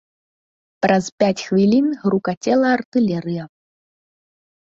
Праз пяць хвілін грукацела артылерыя.